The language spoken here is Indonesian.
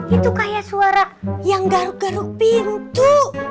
itu kayak suara yang garuk garuk pintu